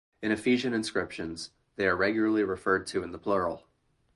In Ephesian inscriptions, they are regularly referred to in the plural.